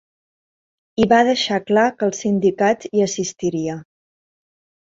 I va deixar clar que el sindicat hi assistiria.